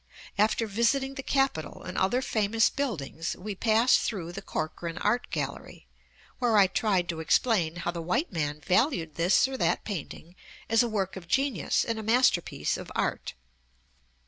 After visiting the Capitol and other famous buildings, we passed through the Corcoran Art Gallery, where I tried to explain how the white man valued this or that painting as a work of genius and a masterpiece of art.